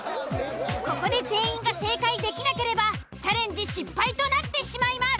ここで全員が正解できなければチャレンジ失敗となってしまいます。